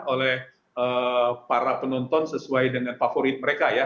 oleh para penonton sesuai dengan favorit mereka ya